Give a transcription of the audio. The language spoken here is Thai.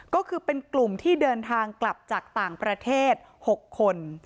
ก็คือเป็นกลุ่มที่เดินทางกลับจากต่างประเทศ๖คน